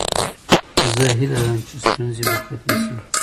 زه هیله لرم چې ستونزې به ختمې شي.